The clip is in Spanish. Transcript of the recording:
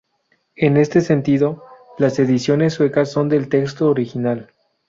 En este sentido, las ediciones suecas son del texto original.